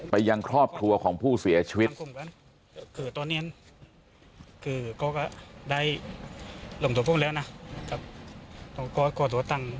ยังครอบครัวของผู้เสียชีวิต